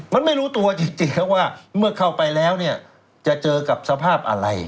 มันไม่รู้ตัวจริงว่าเมื่อเข้าไปแล้วเนี่ยจะเจอกับสภาพอะไร